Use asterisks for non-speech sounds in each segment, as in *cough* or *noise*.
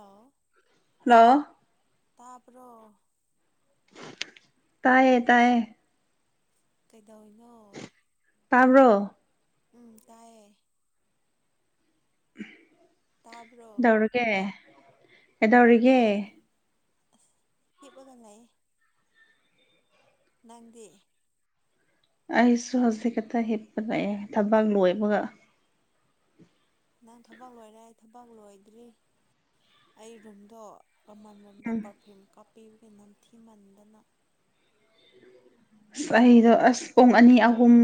ꯑꯥꯎ ꯍꯜꯂꯣ ꯇꯥꯄ꯭ꯔꯣ ꯇꯌꯦ ꯇꯥꯏꯌꯦ ꯀꯩꯗꯅ ꯈ꯭ꯔꯣ ꯎꯝ ꯇꯥꯏꯌꯦ ꯇꯥꯕ꯭ꯔꯣ ꯗꯧꯔꯒꯦ ꯀꯗꯧꯔꯤꯒꯦ ꯑ ꯍꯤꯞꯄꯒꯌꯦ ꯅꯪꯗꯦ ꯑꯩꯁꯨ ꯍꯧꯖꯤꯛ ꯛꯇ ꯍꯤꯞꯄ ꯂꯛꯑꯦ ꯊꯕꯛ ꯂꯣꯏꯕꯒ ꯅꯪ ꯊꯕꯛ ꯂꯣꯏꯔꯦ ꯑꯩ ꯊꯕꯛ ꯂꯣꯏꯗ꯭ꯔꯤ ꯑꯩ ꯔꯨꯝꯗꯣ ꯃꯃꯜꯂꯣꯝꯗ ꯎꯝ ꯄꯔꯐ꯭ꯌꯨꯝ ꯀꯥꯞꯄꯤꯕꯒꯤ ꯅꯝꯊꯤꯃꯟꯗꯅ ꯑꯁ ꯑꯩꯗꯣ ꯑꯁ ꯄꯨꯡ ꯑꯅꯤ ꯑꯍꯨꯝ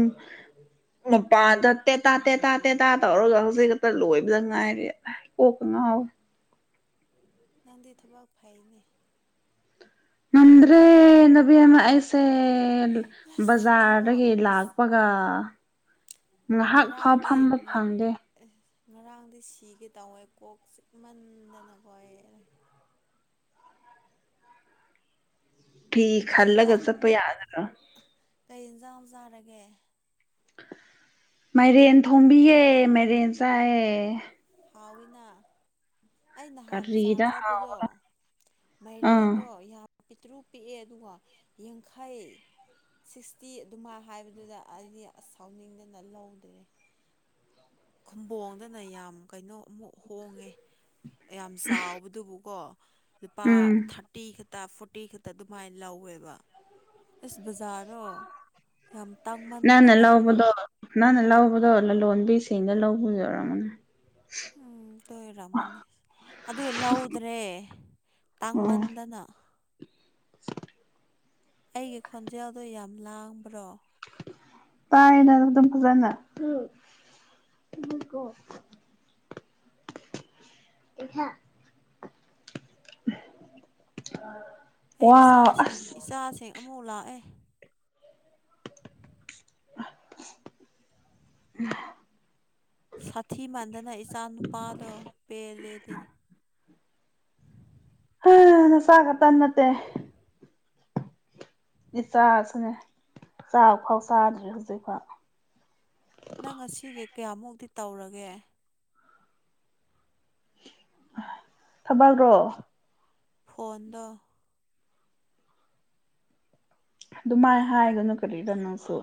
ꯃꯄꯥꯟ ꯇꯠꯇꯦ ꯇꯥꯠꯇꯦ ꯇꯥꯦ ꯇꯥ ꯇꯧꯔꯒ ꯍꯧꯖꯤꯛ ꯈꯛꯇ ꯂꯣꯏꯕꯗ ꯉꯥꯏꯔꯦ ꯀꯣꯛ *unintelligible* ꯅꯪꯗꯤ ꯊꯕꯛ ꯐꯩꯅꯦ ꯅꯗ꯭ꯔꯦ ꯅꯕꯤꯃ ꯑꯩꯁꯦ ꯑꯁ ꯑꯩꯀꯣ ꯕꯖꯥꯔꯗꯒꯤ ꯑꯁ ꯂꯥꯛꯄꯒ ꯉꯥꯏꯍꯥꯛ ꯐꯥꯎ ꯉꯔꯥꯡꯗꯤ ꯐꯝꯕ ꯐꯪꯗꯦ ꯉꯔꯥꯡꯗꯤ ꯁꯤꯒꯦ ꯇꯧꯋꯦ ꯀꯣꯛ ꯆꯤꯃꯟꯗꯅꯀꯣ ꯊ ꯀꯩ ꯍꯜꯂꯒ ꯌꯦꯟꯖꯥꯡ ꯆꯄ ꯌꯥꯗ ꯖꯖꯥꯔꯒꯦ ꯃꯥꯏꯔꯦꯟ ꯊꯣꯝꯕꯤꯌꯦ ꯃꯥꯏꯔꯦꯟ ꯆꯥꯏꯌꯦ ꯍꯥꯎꯅꯥ ꯑꯩ ꯅꯍꯥꯟ ꯀꯔꯤꯗ ꯕꯖꯥꯔ ꯆꯠꯄꯗꯣ ꯍꯥꯎꯕ꯭ꯔꯥ ꯑꯥ ꯃꯥꯏꯔꯦꯟꯗꯣ ꯄꯤꯇ꯭ꯔꯨꯛ ꯄꯤꯛꯑꯦ ꯑꯗꯨꯒ ꯌꯥꯡꯈꯥꯏꯑ ꯁꯤꯛꯁꯇꯤ ꯑꯗꯨꯃꯥꯏꯅ ꯍꯥꯏꯕꯗꯨꯗ ꯑꯩꯗꯤ ꯑꯁ ꯁꯥꯎꯅꯤꯡꯗꯅ ꯂꯧꯗ꯭ꯔꯦ ꯈꯨꯝꯝꯕꯣꯡꯗꯅ ꯌꯥꯝ ꯀꯩꯅꯣ ꯑꯃꯨꯛ ꯍꯣꯡꯉꯦ ꯌꯥꯝ ꯆꯥꯎꯕꯗꯨꯕꯨꯀꯣ ꯂꯨꯄꯥ ꯎꯝ ꯊꯥꯔꯇꯤ ꯐꯣꯔꯇꯤ ꯈꯛꯇ ꯑꯗꯨꯃꯥꯏꯅ ꯂꯧꯋꯦꯕ ꯏꯁꯁ ꯕꯖꯥꯔꯗꯣ ꯌꯥꯝ ꯅꯪꯅ ꯇꯥꯡꯃꯟꯗꯅ ꯂꯧꯕꯗꯣ ꯅꯪꯅ ꯂꯧꯕꯗꯣ ꯂꯂꯣꯟꯕꯤꯁꯤꯡꯅ ꯂꯧꯕ ꯌ ꯑꯣꯏꯔꯝꯃꯅꯦ ꯎꯝ ꯇꯣꯏꯔꯝ ꯃꯅꯤ ꯑꯗ ꯏ ꯂ ꯍꯎꯗ꯭ꯔꯦ ꯇꯥꯡ ꯃꯟꯗꯅ ꯁ ꯑꯩꯒꯤ ꯈꯣꯟꯖꯦꯜꯗꯣ ꯌꯥꯝ ꯂꯥꯡꯕ꯭ꯔꯣ ꯇꯅꯗꯝ ꯀꯖꯅ ꯊꯀꯣ ꯑꯦꯍ ꯑꯩ ꯏꯆꯥꯁꯤꯡ ꯏꯆꯥꯁꯤꯡ ꯑꯃꯨꯛ ꯂꯥꯛꯑꯦ ꯎ ꯁꯥꯊꯤ ꯃꯥꯟꯗꯅ ꯏꯆꯥ ꯅꯨꯨꯄꯥꯗꯣ ꯄꯦꯜꯂꯦꯗꯤ ꯍꯥꯅ ꯆꯒ ꯇꯅꯠꯇꯦ ꯏ ꯆꯁꯨꯅꯦ ꯆꯥꯕ ꯐꯥꯎ ꯆꯥꯗ꯭ꯔꯦ ꯍꯧꯖꯤꯛꯐꯥꯎ ꯅꯪ ꯉꯁꯤꯒꯦ ꯀꯌꯥꯃꯨꯛꯗꯤꯤ ꯇꯧꯔꯒꯦ ꯊꯕꯛ꯭ꯔꯣ ꯐꯣꯟꯣꯟꯗ ꯑꯗꯨꯃꯥꯏ ꯍꯥꯏꯒꯅꯨ ꯀꯔꯤꯗꯅꯣꯁꯦ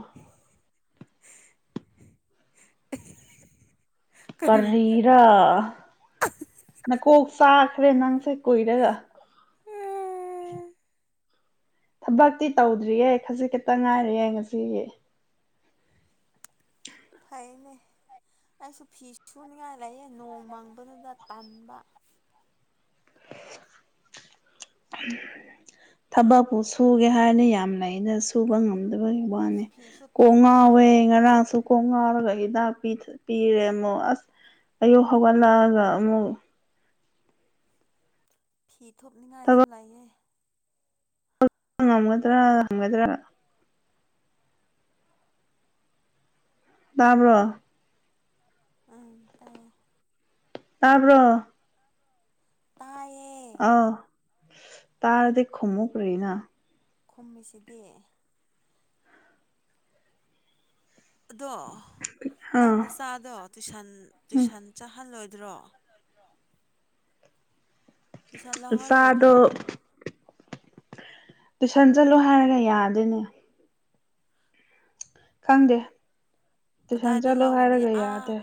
*unintelligible* ꯀꯔꯤ ꯀꯔꯤꯔꯥ ꯃ ꯀꯣ ꯁꯥꯈꯔ ꯏꯅꯥꯅꯁꯦ ꯀꯏꯔꯦꯒ ꯊꯕꯛꯇꯤ ꯇꯧꯗ꯭ꯔꯤꯌꯦꯦ ꯈꯖꯤꯛ ꯈꯛꯇ ꯉꯥꯏꯔꯌꯦꯦ ꯉꯁꯤꯒꯤ ꯐꯥꯏꯅꯦ ꯑꯩꯁꯨ ꯐꯤ ꯁꯨꯅꯤꯡꯉꯥꯏ ꯂꯩꯌꯦ ꯅꯣꯡ ꯃꯪꯕꯗꯨꯗ ꯇꯟꯕ ꯊꯕꯛꯄꯨ ꯁꯨꯒꯦ ꯍꯥꯏꯅ ꯌꯥꯝ ꯂꯩꯩꯅ ꯁꯨꯕ ꯉꯝ ꯑꯁ ꯅꯦꯦ ꯐꯤꯁꯨ ꯊꯨꯞꯅꯤꯡꯉꯥꯏ ꯀꯉꯥꯕꯦ ꯂꯩꯌꯦ ꯏꯁꯨ ꯀꯉꯥꯔ ꯀ ꯥꯛ ꯄꯤꯔꯦ ꯑꯃꯨꯛ ꯑꯁ ꯑꯌꯨꯛ ꯍꯧꯒꯠꯂꯛꯑꯒ ꯑꯃꯨꯛ ꯊꯣꯛꯅꯤꯡꯉꯥꯏꯁꯨ ꯊꯕꯛ ꯂꯩꯌꯦ ꯉꯝꯒꯗ꯭ꯔꯥ ꯍꯪꯒꯗ꯭ꯔꯥ ꯇꯥꯕ꯭ꯔꯣ ꯑꯇ ꯇꯥꯕ꯭ꯔꯣ ꯇꯥꯏꯌꯦꯦ ꯑ ꯇꯥꯔꯗꯤ ꯈꯃꯨꯛ꯭ꯔꯔꯤꯅ ꯈꯨꯝꯃꯤꯁꯤꯗꯤ ꯑꯗꯣ ꯅꯪ ꯑꯥ ꯃꯆꯥꯗꯣ ꯇꯨꯏꯁꯟ ꯎꯝ ꯇꯨꯏꯁꯟ ꯆꯥꯍꯜꯂꯣꯏꯗ꯭ꯔꯣ ꯇꯨꯁꯟ ꯏꯆꯥꯗꯣ ꯂꯧꯍꯜꯂꯣꯏꯗ꯭ꯔꯣ ꯇꯨꯏꯁꯟ ꯆꯠꯂꯣ ꯍꯥꯏꯔꯒ ꯌꯥꯗꯣꯏꯅꯦ ꯈꯪꯗꯦ ꯇꯨꯏꯁꯟ ꯀꯗꯥꯏꯗꯒꯤ ꯆꯠꯂꯣ ꯂꯧꯥꯎꯒꯅꯤ ꯍꯥꯏꯔꯒ ꯌꯥꯗꯦ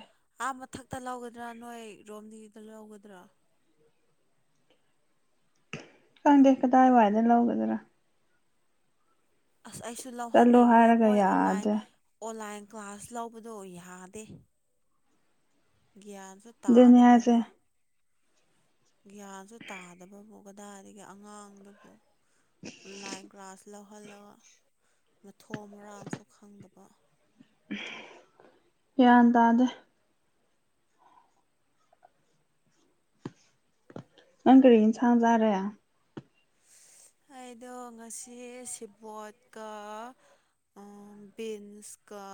ꯑ ꯏꯊꯛꯇ ꯂꯧꯒꯗ꯭ꯔꯥ ꯅꯣꯏ ꯔꯣꯝꯗꯤꯗ ꯂꯧꯒꯗ꯭ꯔꯥ ꯈꯪꯗꯦ ꯀꯗꯥꯏꯋꯥꯏꯗ ꯂꯧꯒꯗꯔꯥ ꯑꯁ ꯑꯩꯁꯨ ꯆꯠꯂꯣ ꯂꯧꯍꯟꯅꯤꯡꯈ꯭ꯔꯦ ꯍꯥꯏꯔꯒ ꯃꯣꯏ ꯑꯣꯟꯂꯥꯏꯟ ꯌꯥꯗꯦ ꯑꯣꯟꯂꯥꯏꯟ ꯒꯥꯁ ꯂꯧꯕꯗꯣ ꯌꯥꯗꯦ ꯒ꯭ꯌꯥꯟꯁꯨ ꯑꯗꯨꯅꯤ ꯍꯥꯏꯁꯦ ꯇꯥꯗꯕꯗꯣ ꯒ꯭ꯌꯥꯟꯁꯨ ꯇꯥꯗꯕꯕꯨ ꯀꯗꯥꯏꯗꯒꯤ ꯑꯉꯥꯡꯗꯨꯕꯨ ꯑꯣꯟꯂꯥꯏꯟ ꯀ꯭ꯂꯥꯁ ꯂꯧꯍꯜꯂꯒ ꯃꯊꯣ ꯃꯔꯥꯡꯜꯁꯨ ꯈꯪꯗꯕ ꯌꯥ ꯇꯗ ꯑꯪ ꯀꯔꯤꯅ ꯁꯥꯡꯖꯥꯔꯦ ꯑꯩꯗꯣ ꯉꯁꯤ ꯁꯤꯕꯣꯠꯀ ꯕꯤꯤꯟꯁꯀꯥ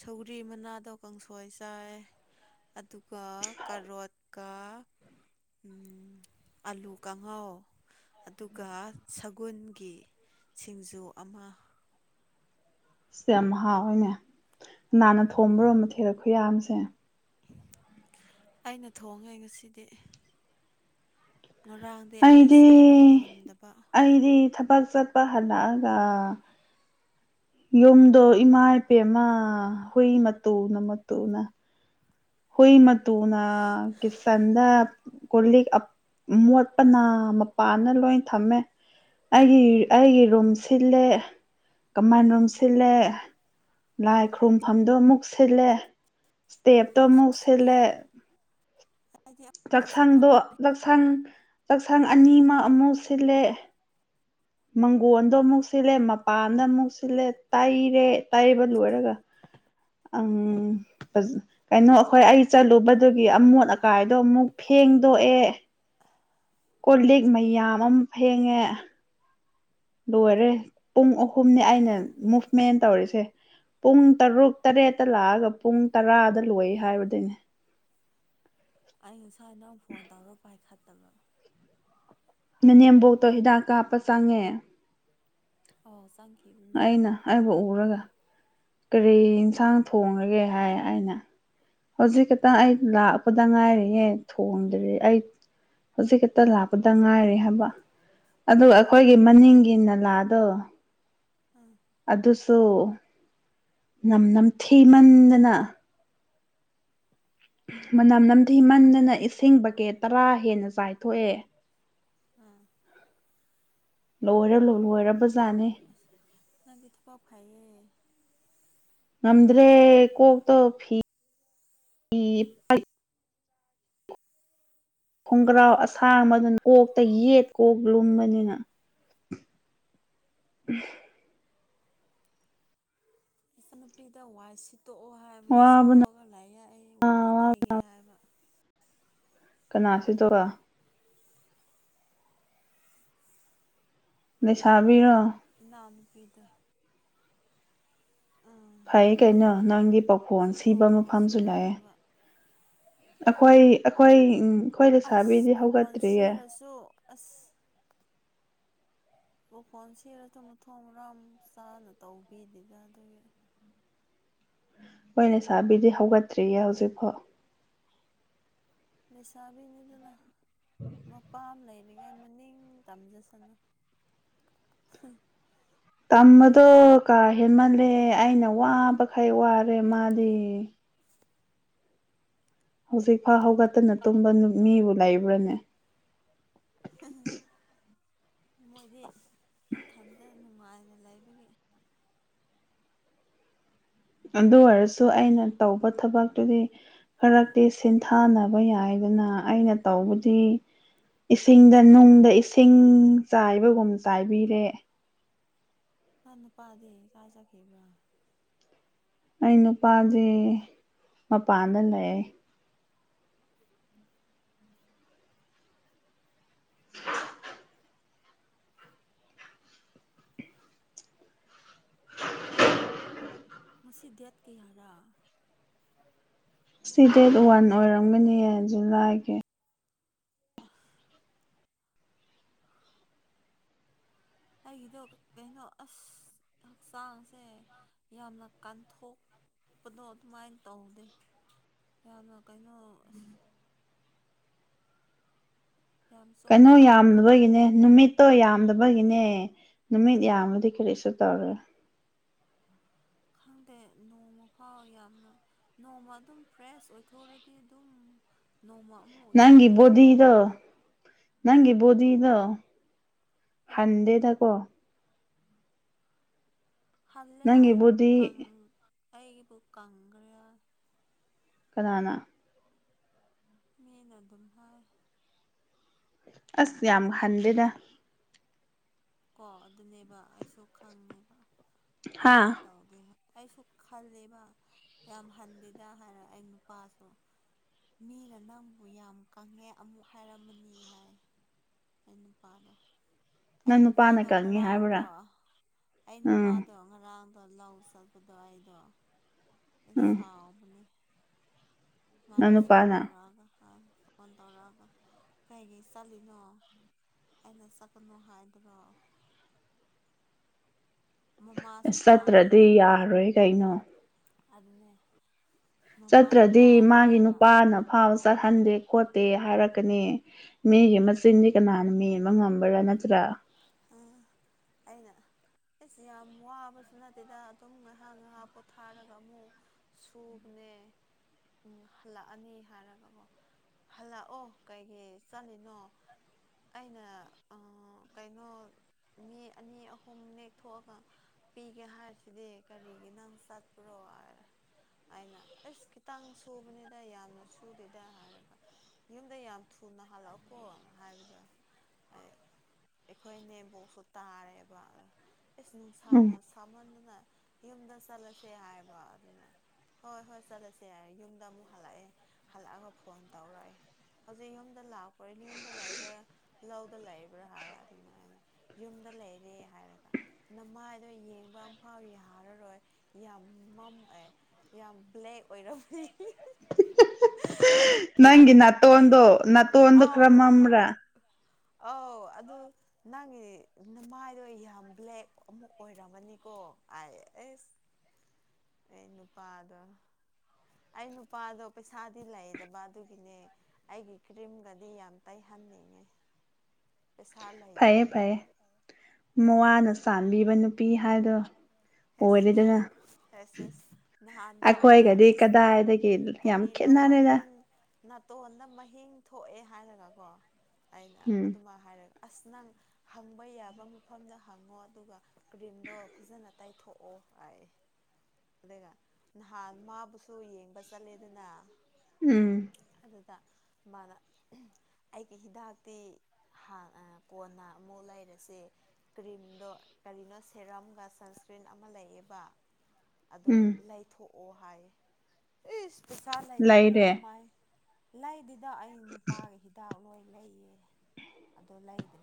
ꯁꯧꯒ꯭ꯔꯤ ꯃꯅꯥꯗꯣ ꯀꯥꯡꯁꯣꯏ ꯆꯥꯏ ꯑꯗꯨꯒ ꯀꯔꯣꯠꯀ ꯎꯝ ꯑꯜꯂꯨ ꯀꯥꯡꯪꯍꯥꯎ ꯑꯗꯨꯒ ꯁꯒꯣꯜꯒꯤ ꯁꯤꯡꯖꯨ ꯑꯃ ꯁꯤ ꯌꯥꯝ ꯍꯥꯎꯋꯏꯅꯦ ꯅꯥꯟꯅ ꯊꯣꯕꯔꯣꯝ ꯃ ꯊꯦꯔꯛ ꯈꯨꯌꯥ ꯑꯃꯁꯁꯦ ꯑꯩꯅ ꯊꯣꯡꯉꯦ ꯉꯁꯤꯗꯤ ꯉꯔꯥꯡꯗꯤ ꯑꯩ ꯑꯩꯗꯤ ꯏꯁꯥꯗꯣ ꯉꯝꯗꯕ ꯆꯄꯥ ꯆꯄ ꯍꯜꯂꯑꯒ ꯌꯨꯝꯗꯣ ꯏꯃꯥ ꯏꯄꯦꯃ ꯍꯨꯏ ꯃꯇꯨꯅ ꯃꯇꯨꯅ ꯍꯣꯏ ꯃ ꯇꯨꯡꯅ ꯀ ꯆꯟꯗ ꯀꯂꯤ ꯃꯣꯠꯄꯅ ꯃꯄꯥꯟꯅ ꯂꯣꯏ ꯊꯝꯃꯦ ꯑꯩꯒꯤ ꯑꯩꯒꯤ ꯔꯨꯝ ꯁꯤꯜꯂꯦ ꯀꯃꯥꯟ ꯔꯨꯝ ꯁꯤꯜꯂꯦ ꯂꯥꯏ ꯈꯨꯔꯨꯝꯐꯝꯗꯣ ꯑꯃꯨꯛ ꯁꯤꯜꯂꯦ ꯏꯁꯇꯦꯞꯇꯣ ꯑꯃꯨꯛ ꯁꯤꯜꯂꯦ ꯑꯩꯗꯤ ꯆꯥꯛꯁꯥꯡꯗꯣ ꯆꯥꯛꯁꯥꯡ ꯆꯥꯛꯁꯥꯡ ꯑꯅꯤ ꯑꯃ ꯑꯃꯨꯛ ꯁꯤꯜꯂꯦ ꯃꯪꯒꯣꯜꯗꯣ ꯑꯃꯨꯛ ꯁꯤꯜꯂꯦ ꯃꯄꯥꯟꯗ ꯑꯃꯨꯛ ꯁꯤꯜꯂꯦ ꯇꯩꯔꯦ ꯇꯩꯕ ꯂꯣꯏꯔꯒ ꯎꯝ ꯀꯩꯅꯣ ꯑꯩꯈꯣꯏ ꯑꯩ ꯆꯠꯂꯨꯕꯗꯨꯒꯤ ꯑꯃꯣꯠ ꯀꯥꯏꯗꯣ ꯑꯃꯨꯛ ꯐꯦꯡꯗꯣꯛꯑꯦ ꯀꯣꯂꯦꯛ ꯃꯌꯥꯝ ꯑꯃ ꯐꯦꯡꯉꯦ ꯂꯣꯏꯔꯦ ꯄꯨꯡ ꯑꯍꯨꯝꯅꯤ ꯑꯩꯅ ꯃꯨꯚꯃꯦꯟ ꯇꯧꯔꯤꯁꯦ ꯄꯨꯡ ꯇꯔꯨꯛ ꯇꯔꯦꯠꯇ ꯂꯥꯛꯑꯒ ꯄꯨꯡ ꯇꯔꯥꯗ ꯂꯣꯏ ꯍꯥꯏꯕꯗꯨꯅꯦ ꯑꯩ ꯉꯁꯥ ꯅꯪ ꯐꯣꯟ ꯇꯧꯔ ꯄꯥꯏꯈꯠꯦ ꯅꯅꯦꯝꯕꯣꯛꯇꯣ ꯍꯤꯗꯥꯛ ꯀꯥꯞꯄ ꯆꯪꯉꯦ ꯑꯣ ꯆ ꯑꯩꯅ ꯑꯩꯕꯨ ꯎꯔꯒ ꯀꯔꯤ ꯌꯦꯟꯁꯥꯡ ꯊꯣꯡꯉꯒꯦ ꯍꯥꯏ ꯑꯩꯅ ꯍꯧꯖꯤꯛ ꯇꯪ ꯑꯩ ꯂꯥꯛꯄꯗ ꯉꯥꯏꯔꯤꯌꯦꯦ ꯊꯣꯡꯗ꯭ꯔꯤꯦ ꯑꯩ ꯍꯧꯖꯤꯛ ꯈꯛꯇ ꯂꯥꯛꯄꯗ ꯉꯥꯏꯔꯦ ꯍꯥꯏꯕ ꯑꯗꯨꯒ ꯎꯝ ꯑꯩꯈꯣꯏꯒꯤ ꯃꯅꯤꯡꯒꯤ ꯅꯂꯥꯗꯣ ꯎꯝ ꯑꯗꯨꯁꯨ ꯅꯝ ꯅꯝꯊꯤꯃꯟꯗꯅ ꯃꯅꯝ ꯅꯝꯊꯤ ꯃꯗꯅ ꯏꯁꯤꯡ ꯕꯀꯦꯠ ꯇꯔꯥ ꯍꯦꯟꯅ ꯆꯥꯏꯊꯣꯛꯑꯦ ꯑꯝ ꯂꯣꯏꯔꯣꯏ ꯂꯣꯏꯔꯕꯖꯥꯠꯅꯦ ꯇ ꯐꯩ ꯉꯝꯗ꯭ꯔꯦ ꯀꯣꯛꯇꯣ ꯐꯤ ꯈꯣꯡꯒ꯭ꯔꯥꯎ ꯑꯁꯥꯡꯕꯗꯨꯅ ꯀꯣꯛꯇ ꯌꯦꯠ ꯀꯣꯛ ꯂꯨꯝꯕꯅꯤꯅ *unintelligible* ꯅꯨꯄꯤꯗ ꯋꯥꯁꯤ ꯇꯣꯛꯑꯣ ꯍꯥꯏꯕꯒꯤ ꯁꯤ ꯋꯥꯕꯅ ꯇꯣꯛꯑꯒ ꯂꯥꯏꯏ ꯑꯩ ꯋꯥꯏ ꯇꯩꯒꯦ ꯍꯥꯏꯕ ꯀꯅꯥꯁꯤꯗꯨ ꯑ ꯁꯥꯕꯤꯔꯣ ꯏ ꯅꯨꯄꯤꯗ ꯐꯩ ꯀꯩꯅꯣ ꯅꯪꯒꯤ ꯄꯥꯎꯈꯣꯟ ꯁꯤꯕ ꯁꯤꯠꯇꯣꯛꯑꯣ ꯃꯐꯝꯁꯨ ꯂꯥꯛꯑꯦ ꯁꯤꯠꯇꯣꯛꯑꯒ ꯑꯩꯈꯣꯏ ꯑꯩꯈꯣꯏ ꯎ ꯑꯁ ꯄꯣꯒꯣꯟ ꯁꯤꯔꯁꯨ ꯑꯁ ꯎꯈꯣꯟ ꯁꯤꯔ ꯊꯨꯝ ꯃ ꯊꯣꯡ ꯔꯝ ꯆꯥꯅ ꯇꯧꯕꯤꯗꯨꯗ ꯑꯗꯨꯒꯤ ꯍ ꯂꯩ ꯁꯥꯥꯕꯤꯗꯤ ꯍꯧꯒꯠꯇ꯭ꯔꯤꯌꯦ ꯍꯧꯖꯤꯛꯐꯣ ꯂꯩꯁꯥꯕꯤꯅꯤꯗꯅ ꯃꯄꯥ ꯑꯃ ꯂꯩꯔꯤꯉ ꯃꯅꯤ ꯇꯝꯖꯁꯅ ꯇꯃꯗꯣ ꯀꯥꯏ ꯍꯦꯟꯃꯜꯂꯦ ꯑꯩꯅ ꯋꯥꯕꯈꯩ ꯋꯥꯔꯦ ꯃꯥꯗꯤ ꯍꯧꯖꯤꯛ ꯐꯥꯎ ꯍꯧꯒꯠꯇꯅ ꯇꯨꯝꯕ ꯃꯤꯕꯨ ꯂꯩꯕ꯭ꯔꯥꯅꯦ ꯃꯣꯏꯗꯤ ꯃꯊꯟꯇ ꯅꯨꯡꯉꯥꯏꯅ ꯂꯩꯕꯒꯤ ꯑꯗꯨ ꯑꯣꯏꯔꯁꯨ ꯑꯩꯅ ꯇꯧꯕ ꯊꯕꯛꯇꯨꯗꯤ ꯐꯔꯛꯇꯤ ꯁꯤꯟꯊꯥꯅꯕ ꯌꯥꯏꯗꯅ ꯑꯩꯅ ꯇꯧꯕꯗꯤ ꯏꯁꯤꯡꯗ ꯅꯨꯡꯗ ꯑꯗꯨꯅꯦ ꯏꯁꯤꯡ ꯆꯥꯏꯕꯒꯨꯝ ꯆꯥꯏꯕꯤꯔꯦ ꯅꯥꯟ ꯅꯨꯄꯥꯗꯦ ꯆꯥ ꯆꯈꯤꯕ꯭ꯔꯥ ꯑꯩ ꯅꯨꯄꯥꯁꯦ ꯃꯄꯥꯟꯗ ꯂꯩ *inaudible* ꯃꯁꯤ ꯗꯦꯠ ꯀꯌꯥꯔꯥ ꯁꯤ ꯗꯦꯠ ꯋꯥꯟ ꯑꯣꯏꯔꯝꯒꯅꯤꯌꯦ ꯖꯨꯂꯥꯏꯒꯤ ꯑ ꯑꯩꯗꯣ ꯀꯩꯅꯩꯅꯣ ꯑꯁ ꯍꯛꯆꯥꯡꯁꯦ ꯌꯥꯝꯅ ꯀꯥꯟꯊꯣꯛ ꯄꯗꯣ ꯑꯗꯨꯃꯥꯏꯅ ꯇꯧꯗꯦ ꯌꯥꯝꯅ ꯀꯩꯅꯣ ꯌꯥꯝ ꯀꯩꯅꯣ ꯆꯣꯛꯊꯥꯕꯒꯨꯝ ꯌꯥꯝꯗꯕꯒꯤꯅꯦ ꯇꯧꯋꯦ ꯅꯨꯃꯤꯠꯇꯣ ꯌꯥꯝꯗꯕꯒꯤꯅꯦ ꯑꯦ ꯅꯨꯃꯤꯠ ꯌꯥꯝꯃꯗꯤ ꯀꯔꯤꯁꯨ ꯇꯧꯔꯦ ꯈꯪ ꯗ ꯅꯣꯡꯃ ꯐꯥꯎ ꯌꯥꯝꯅ ꯅꯣꯡꯃ ꯑꯗꯨꯝ ꯐ꯭ꯔꯦꯁ ꯑꯣꯏꯊꯣꯛꯣꯔꯗꯤ ꯑꯗꯨꯝ ꯅꯣꯡꯃ ꯑꯃꯨꯛ ꯌꯥꯝ ꯀꯩꯅꯣ ꯅꯪꯒꯤꯕꯨꯣꯗꯤꯗꯣ ꯇꯧꯔꯛꯑꯅꯤ ꯑꯥ ꯅꯪꯒꯤꯕꯨꯣꯗꯤꯗꯣ ꯑꯥ ꯍꯟꯗꯦꯗꯀꯣ ꯍꯜꯂꯦ ꯅꯪꯒꯤ ꯍꯥꯏꯏ ꯕꯣꯗꯤ ꯑꯩꯕꯨ ꯀꯪꯈ꯭ꯔꯦ ꯍꯥꯏ ꯀꯅꯥꯅ ꯃꯅ ꯑꯗꯨꯝ ꯍꯥꯏꯥꯏ ꯑꯁ ꯌꯥꯝ ꯍꯟꯗꯦꯅꯦ ꯀꯣ ꯑꯗꯨꯅꯦꯕ ꯑꯩꯁꯨ ꯈꯪꯉꯦꯕ ꯍꯥ ꯑꯗꯨꯃꯥꯏꯅ ꯇꯧꯗꯦ ꯑꯩꯁꯨ ꯈꯜꯂꯦꯕ ꯌꯥꯝ ꯍꯟꯗꯦꯗ ꯍꯥꯏꯔ ꯑꯩ ꯅꯨꯄꯥꯁꯨ ꯃꯤꯅ ꯅꯪꯕꯨ ꯌꯥꯝ ꯀꯪꯉꯦ ꯑꯃꯨꯛ ꯍꯥꯏꯔꯝꯃꯅꯤ ꯍꯥꯏ ꯏ ꯅꯨꯄꯥꯗ ꯑꯩ ꯅꯪ ꯅꯨꯄꯥꯅ ꯅꯨꯄꯥꯗꯣ ꯀꯪꯉꯦ ꯉꯔꯥꯡꯗꯣ ꯍꯥꯏꯕ꯭ꯔꯥ ꯑꯩ ꯎꯝ ꯅꯨꯄꯥꯗꯣ ꯉꯔꯥꯡ ꯑꯗꯣ ꯂꯧ ꯆꯠꯄꯗꯣ ꯑꯩꯗꯣ ꯑꯩ ꯎꯝ ꯁꯥꯎꯕꯅꯦ ꯅꯪ ꯃꯥꯅꯦ ꯐꯣꯟ ꯅꯨꯄꯥꯅ ꯇꯧꯔꯑꯒ ꯍꯥ ꯐꯣꯟ ꯇꯧꯔꯛꯑꯒ ꯀꯩꯀꯩ ꯆꯠꯂꯤꯅꯣ ꯑꯩꯅ ꯆꯠꯀꯅꯨ ꯍꯥꯏ ꯄꯇ꯭ꯔꯣ ꯑꯁ ꯆꯠꯇ꯭ꯔꯗꯤ ꯇꯥꯔꯤꯅꯦ ꯌꯥꯔꯣꯏ ꯀꯩꯅꯣ ꯑꯗꯨꯅꯦ ꯃꯃꯥꯁꯨ ꯆꯠꯇ꯭ꯔꯗꯤ ꯃꯥꯒꯤ ꯇꯥꯔꯤꯅꯦꯕ ꯅꯨꯄꯥꯅ ꯐꯥꯎ ꯆꯠꯍꯟꯗꯦ ꯈꯣꯠꯇꯦ ꯍꯥꯏꯔꯛꯀꯅꯤ ꯃꯤꯒꯤ ꯃꯆꯤꯟꯗꯤ ꯀꯅꯥꯅ ꯃꯤꯦꯟꯕ ꯉꯝꯕ꯭ꯔꯥ ꯅꯠꯇ꯭ꯔꯥ ꯑꯩꯅ ꯑꯩꯁ ꯌꯥꯝ ꯋꯥꯕꯁꯨ ꯅꯠꯇꯦꯗ ꯑꯗꯨꯝ ꯉꯥꯏꯍꯥꯛ ꯉꯥꯏꯍꯥꯛ ꯄꯣꯊꯥꯔꯒ ꯑꯃꯨꯛ ꯁꯨꯕꯅꯦ ꯎꯝ ꯍꯜꯂꯛꯑꯅꯤ ꯍꯥꯏꯔꯒꯀꯣ ꯍꯜꯂꯛꯑꯣ ꯀꯩꯒꯤ ꯆꯠꯂꯤꯅꯣ ꯑꯩꯅ ꯀꯥꯏꯩꯅꯣ ꯃꯤ ꯑꯅꯤ ꯑꯍꯨꯝ ꯅꯦꯛꯊꯑꯒ ꯄꯤꯒꯦ ꯍꯥꯏꯔꯁꯤꯗꯤ ꯀꯔꯤꯒꯤ ꯅꯪ ꯆꯠꯄꯨꯔꯣ ꯔ ꯍꯥꯏꯅ ꯑꯁ ꯈꯤꯇꯪ ꯁꯨꯕꯅꯤꯗ ꯌꯥꯝꯅ ꯁꯨꯗꯦꯗ ꯍꯥꯏꯔꯒ ꯌꯨꯝꯗ ꯌꯥꯝ ꯊꯨꯅ ꯍꯜꯂꯛꯑꯣꯀꯣꯅ ꯍꯥꯏꯕꯗ ꯑꯩꯈꯣꯏ ꯅꯦꯝꯕꯣꯛꯁꯨ ꯇꯥꯔꯦꯕ ꯑꯦꯁ ꯎꯝ ꯅꯨꯡꯁꯥ ꯌꯗ ꯆꯂꯁꯦ ꯍꯥꯏ ꯍꯣꯏ ꯍꯣꯏ ꯆꯠꯂꯁꯦ ꯌꯥꯔꯦ ꯌꯨꯝꯗ ꯑꯃꯨꯛ ꯍꯜꯂꯛꯑꯦ ꯍꯜꯂꯛꯑꯒ ꯐꯣꯟ ꯇꯧꯔꯛꯑꯦ ꯍꯧꯖꯤꯛ ꯌꯨꯝꯗ ꯂꯥꯛꯄ ꯌꯨꯝꯗ ꯂꯩꯏꯕ꯭ꯔꯥ ꯂꯧꯗ ꯂꯥꯛꯏꯕ꯭ꯔꯥ ꯍꯥꯏ ꯑꯗꯨꯅ ꯍꯥꯏꯩꯅ ꯌꯨꯝꯗ ꯂꯩꯔꯦ ꯍꯥꯏꯔꯒ ꯅꯃꯥꯏꯗꯣ ꯌꯦꯡꯕ ꯑꯃꯝꯐꯥꯎ ꯌꯥꯔꯔꯣꯏ ꯌꯥꯝ ꯃꯝꯑꯦ ꯌꯥꯝ ꯕ꯭ꯂꯦꯛ ꯑꯣꯏꯔꯝꯃꯤ ꯑꯗꯨ ꯅꯪꯒꯤ ꯅꯠꯇꯣꯟꯗꯨ ꯅꯠꯇ ꯑꯣꯟ ꯈꯔ ꯃꯥꯝ꯭ꯔꯥ ꯑ ꯑꯣ ꯑꯗꯨ ꯅꯪꯒꯤ ꯅꯃꯥꯏꯗꯣ ꯌꯥꯝ ꯕ꯭ꯂꯦꯛ ꯑꯃꯨ ꯑꯣꯏꯔꯝꯃꯅꯤꯀꯣ ꯑꯩ ꯑꯩ ꯅꯨꯄꯥꯗ ꯑꯩ ꯅꯨꯄꯥꯗꯣ ꯄꯩꯁꯥꯗꯤ ꯂꯩꯗꯕ ꯑꯗꯨꯒꯤꯅꯦ ꯑꯩꯒꯤ ꯀ꯭ꯔꯤꯝꯒꯗꯤ ꯌꯥꯝ ꯇꯩꯍ ꯊꯅꯤꯡꯉ ꯐꯩꯌꯦ ꯐꯩꯌꯦ ꯃꯋꯥꯅ ꯆꯥꯟꯕꯤꯕ ꯅꯨꯄꯤ ꯍꯥꯏꯗꯣ ꯑꯣꯅꯦꯗꯅ ꯑꯦꯁ ꯑꯦꯁ ꯅꯍꯥꯟꯗꯣ ꯑꯩꯅꯁ ꯀꯗꯥꯏꯗꯒꯤ ꯌꯥꯝ ꯀꯔꯤꯅꯣ ꯈꯦꯠꯅꯔꯦꯗ ꯃꯍꯤꯡ ꯅꯥꯇꯣꯟꯗ ꯃꯍꯤꯡ ꯊꯣꯛꯑꯦ ꯍꯥꯏꯔꯒ ꯀꯣ ꯑꯩꯅ ꯎꯝ ꯑꯗꯨꯃꯥꯏ ꯍꯥꯏꯔꯒ ꯑꯁ ꯅꯪ ꯍꯪꯕ ꯌꯥꯕ ꯃꯐꯝꯗ ꯍꯪꯉꯣ ꯑꯗꯨꯒ ꯀ꯭ꯔꯤꯝꯗꯣ ꯐꯖꯅ ꯇꯥꯏꯊꯣꯛꯑꯣ ꯍꯥꯏꯑꯦ ꯑꯗꯨꯒ ꯅꯍꯥꯟ ꯃꯥꯕꯨꯁꯨ ꯌꯦꯡꯕ ꯆꯠꯂꯦꯗꯅ ꯎꯝ ꯑꯗꯨꯗ ꯃꯥꯅ ꯑꯩꯒꯤ ꯍꯤꯗꯥꯛꯇꯤ ꯀꯣꯟꯅ ꯑꯃꯨꯛ ꯂꯩꯔꯁꯦ ꯀ꯭ꯔꯤꯝꯗꯣ ꯀꯔꯤꯅꯣ ꯁꯦꯔꯝꯒ ꯁ ꯏꯁ ꯄ꯭ꯔꯤꯟ ꯑꯃ ꯂꯩꯌꯦꯕ ꯑꯗꯣ ꯎꯝ ꯂꯩꯊꯣꯛꯑꯣ ꯍꯥꯏ ꯏꯁ ꯄꯩꯁꯥ ꯂꯩꯇ ꯄꯨꯕ ꯂꯩꯔꯦ ꯀꯃꯥꯏ ꯂꯩꯗꯨꯗ ꯑꯩ ꯅꯨꯄꯥꯒꯤ ꯍꯤꯗꯥꯛ ꯂꯣꯏ ꯂꯩꯌꯦ ꯑꯗꯣ ꯂꯩꯗ꯭ꯔꯦ